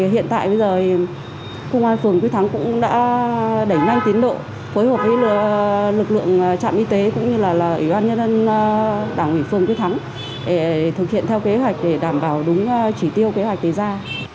hiện tại bây giờ công an phường quyết thắng cũng đã đẩy nhanh tiến độ phối hợp với lực lượng trạm y tế cũng như là ủy ban nhân dân đảng ủy phường quyết thắng để thực hiện theo kế hoạch để đảm bảo đúng chỉ tiêu kế hoạch đề ra